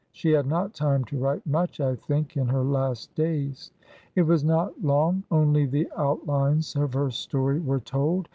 She had not time to write much, I think, in her last days." "It was not long; only the outlines of her story were told.